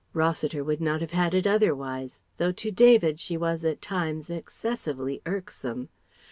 Rossiter would not have had it otherwise, though to David she was at times excessively irksome.